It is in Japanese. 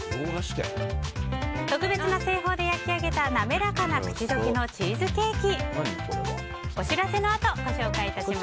特別な製法で焼き上げた滑らかな口溶けのチーズケーキ。